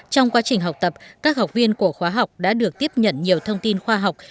trong quá trình học tập các học viên của khóa học đã được tiếp nhận nhiều thông tin khoa học